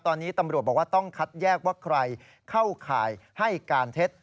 ตอนนี้ตำรวจบอกว่าต้องคัดแยกว่าใครเข้าข่ายให้การเท็จ